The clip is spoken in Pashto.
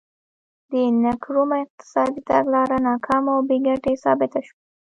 د نکرومه اقتصادي تګلاره ناکامه او بې ګټې ثابته شوه.